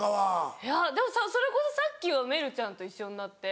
いやでもそれこそさっきはめるちゃんと一緒になって。